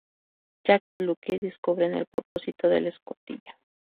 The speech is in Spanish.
Jack y Locke descubren el propósito de la escotilla.